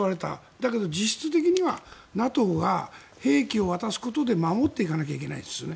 だけど、実質的にはＮＡＴＯが兵器を渡すことで守っていかなきゃいけないですよね。